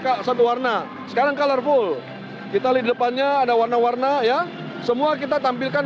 kak satu warna sekarang colorful kita lihat depannya ada warna warna ya semua kita tampilkan